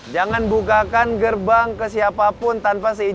jangan bukakan gerbang ke siapapun tanpa seizin